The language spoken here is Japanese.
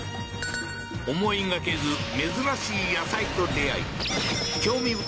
思いがけず珍しい野菜と出会い興味